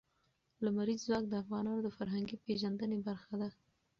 لمریز ځواک د افغانانو د فرهنګي پیژندنې برخه ده.